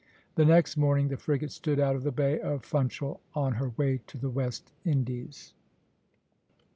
The next morning the frigate stood out of the Bay of Funchal on her way to the West Indies.